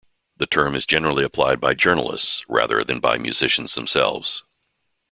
The term is generally applied by journalists, rather than by musicians themselves.